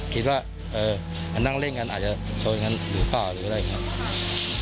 คิดว่านั่งเล่นกันอาจจะชนกันหรือเปล่าหรืออะไรอย่างนี้ครับ